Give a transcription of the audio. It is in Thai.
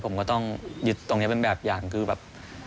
ผมก็ต้องยึดตรงนี้เป็นแบบอย่างคือแบบ